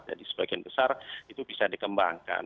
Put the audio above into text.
sebagian besar itu bisa dikembangkan